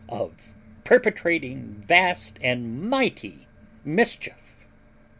of perpetrating vast and mighty mischief?